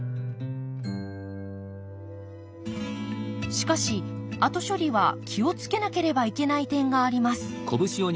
しかし後処理は気を付けなければいけない点があります。